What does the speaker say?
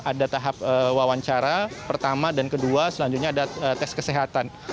ada tahap wawancara pertama dan kedua selanjutnya ada tes kesehatan